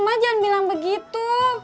makanya jangan bilang begitu